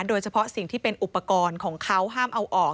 โดยเฉพาะสิ่งที่เป็นอุปกรณ์ของเขาห้ามเอาออก